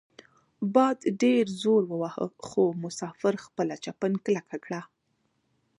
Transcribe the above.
باد ډیر زور وواهه خو مسافر خپله چپن کلکه کړه.